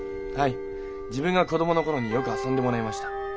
はい自分が子供の頃によく遊んでもらいました。